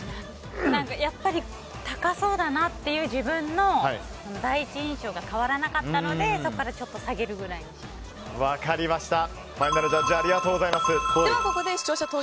やっぱり高そうだなという自分の第一印象が変わらなかったのでそこからちょっと分かりました。